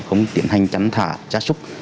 không tiến hành chắn thả chá súc